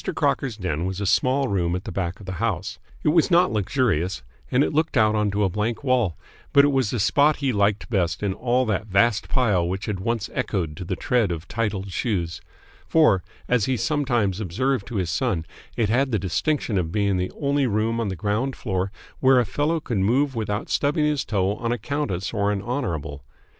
Crocker's den was a small room at the back of the house. It was not luxurious, and it looked out onto a blank wall, but it was the spot he liked best in all that vast pile which had once echoed to the tread of titled shoes; for, as he sometimes observed to his son, it had the distinction of being the only room on the ground floor where a fellow could move without stubbing his toe on a countess or an honourable.